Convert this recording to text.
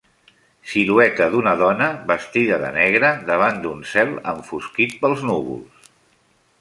Silueta d'una dona vestida de negre davant d'un cel enfosquit pels núvols.